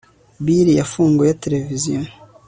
Bill yafunguye televiziyo